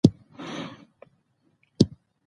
غزني د افغانستان د ملي اقتصاد یوه خورا ګټوره برخه ده.